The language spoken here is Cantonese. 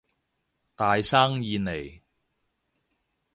大生意嚟